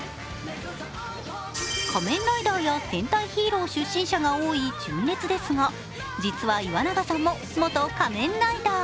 「仮面ライダー」や戦隊ヒーロー出身者が多い純烈ですが実は岩永さんも元仮面ライダー。